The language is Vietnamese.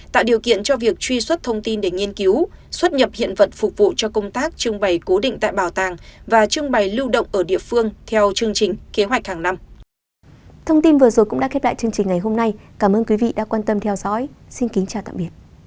tạo điều kiện cho việc truy xuất thông tin để nghiên cứu xuất nhập hiện vật phục vụ cho công tác trưng bày cố định tại bảo tàng và trưng bày lưu động ở địa phương theo chương trình kế hoạch hàng năm